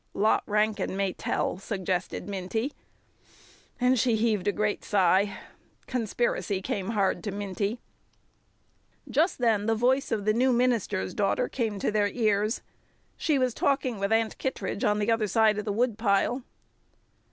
"Lot Rankin may tell," suggested Minty. And she heaved a great sigh. Conspiracy came hard to Minty. Just then the voice of the new minister's daughter came to their ears. She was talking with Aunt Kittredge on the other side of the woodpile.